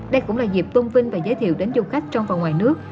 đây cũng là dịp tôn vinh và giới thiệu đến du khách trong và ngoài nước